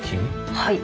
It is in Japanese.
はい。